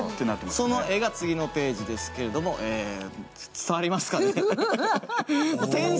その絵が次のページですけれども、伝わりますかね。